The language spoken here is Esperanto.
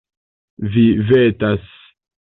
Vi vetas.